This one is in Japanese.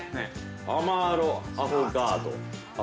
アマーロアフォガート。